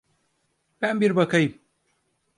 Ben bir bakayım.